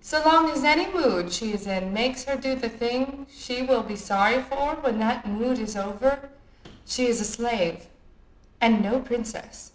So long as any mood she is in makes her do the thing she will be sorry for when that mood is over, she is a slave, and no princess.